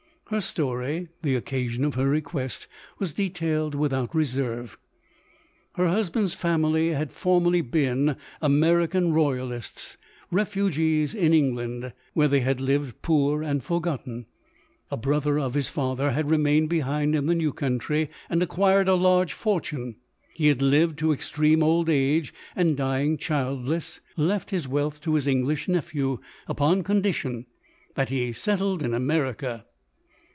Her story, the occasion of her request, was detailed without reserve. Her husband's family had formerly been American royalists, refugees in England, where they had lived poor and forgotten. A brother of his father had remained behind in the new country, and acquired a large fortune. He had lived to extreme old age; and dying childless, left his wealth to his English nephew, upon condition that he settled in America.